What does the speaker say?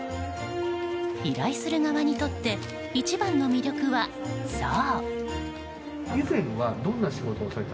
依頼する側にとって一番の魅力は、そう。